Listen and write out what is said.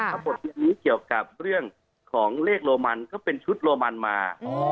ถ้าบทเรียนนี้เกี่ยวกับเรื่องของเลขโรมันก็เป็นชุดโรมันมา